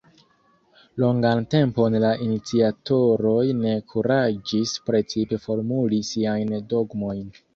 Longan tempon la iniciatoroj ne kuraĝis precize formuli siajn dogmojn.